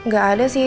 gak ada sih